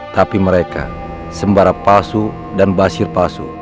tapi mereka sembara palsu dan basir palsu